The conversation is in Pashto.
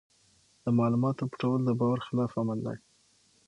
د معلوماتو پټول د باور خلاف عمل دی.